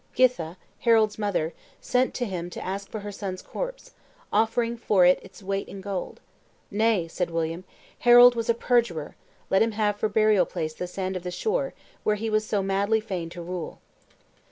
Githa, Harold's mother, sent to him to ask for her son's corpse, offering for it its weight in gold. "Nay," said William, "Harold was a perjurer; let him have for burial place the sand of the shore, where he was so madly fain to rule."